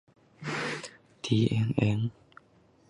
附加赛进球没有被计算在内。